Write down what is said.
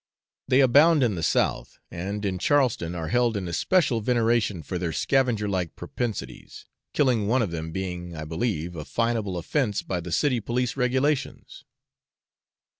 They abound in the South, and in Charleston are held in especial veneration for their scavenger like propensities, killing one of them being, I believe, a fineable offence by the city police regulations.